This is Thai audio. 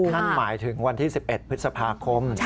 นั่นหมายถึงวันที่๑๑พฤษภาคม